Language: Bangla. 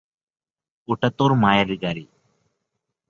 ওটা তোর মায়ের গাড়ি।